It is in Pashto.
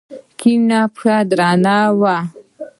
کيڼه پښه درنه وه.